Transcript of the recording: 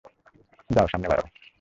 যাও, সামনে বাড়াও!